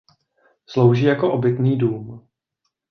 Slouží jako obytný dům.